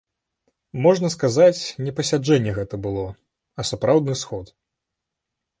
Можна сказаць, не пасяджэнне гэта было, а сапраўдны сход.